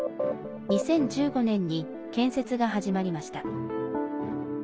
２０１５年に建設が始まりました。